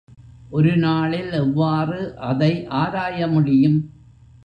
ஒரு நாளில் எவ்வாறு அதை ஆராயமுடியும்?